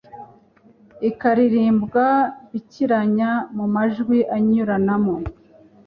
ikaririmbwa bikiranya mu majwi anyuranamo